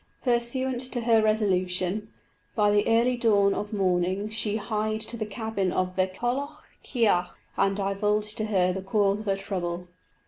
Pursuant to her resolution, by the early dawn of morning she hied to the cabin of the Cailleach chearc, and divulged to her the cause of her trouble.